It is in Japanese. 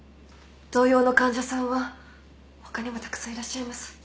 同様の患者さんは他にもたくさんいらっしゃいます。